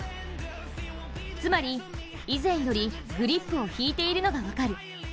つまり、以前よりグリップを引いているのが分かる。